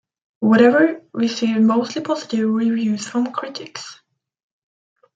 "Whatever" received mostly positive reviews from critics.